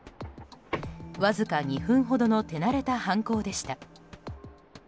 わずか２分ほどの手慣れた犯行でした。